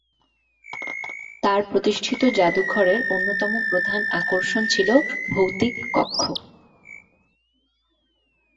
তার প্রতিষ্ঠিত যাদুঘরের অন্যতম প্রধান আকর্ষণ ছিল 'ভৌতিক কক্ষ'।